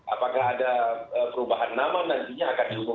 apakah ada perubahan nama nantinya akan diumumkan